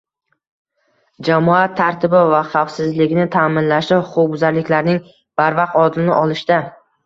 jamoat tartibi va xavfsizligini ta’minlashda, huquqbuzarliklarning barvaqt oldini olishda